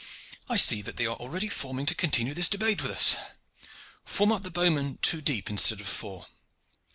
I see that they are already forming to continue this debate with us. Form up the bowmen two deep instead of four.